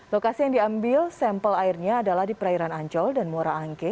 lokasi yang diambil sampel airnya adalah di perairan ancol dan muara angke